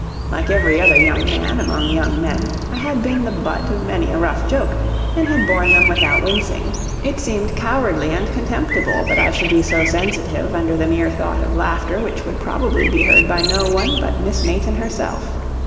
Like every other young man among young men, I had been the butt of many a rough joke, and had borne them without wincing; it seemed cowardly and contemptible that I should be so sensitive under the mere thought of laughter which would probably be heard by no one but Miss Mayton herself.